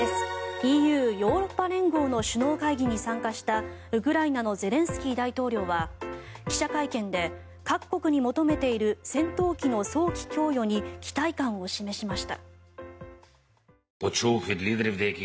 ＥＵ・ヨーロッパ連合の首脳会議に参加したウクライナのゼレンスキー大統領は記者会見で各国に求めている戦闘機の早期供与に期待感を示しました。